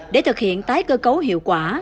để thực hiện tái cơ cấu hiệu quả